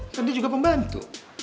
kan dia juga pembantu